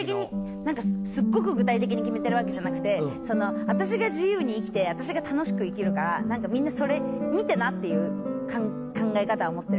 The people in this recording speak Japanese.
すっごく具体的に決めてるわけじゃなくて私が自由に生きて私が楽しく生きるからみんなそれ見てなっていう考え方は持ってるかも。